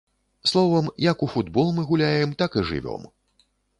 Словам, як у футбол мы гуляем, так і жывём.